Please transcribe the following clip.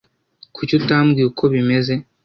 kuki utambwiye uko bimeze